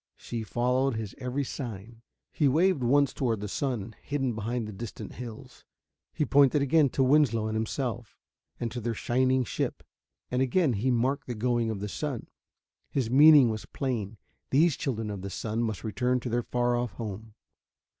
She followed his every sign. He waved once toward the sun, hidden behind the distant hills: he pointed again to Winslow and himself and to their shining ship: and again he marked the going of the sun. His meaning was plain these children of the sun must return to their far off home.